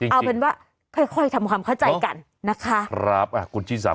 เอาเป็นว่าค่อยค่อยทำความเข้าใจกันนะคะครับคุณชิสา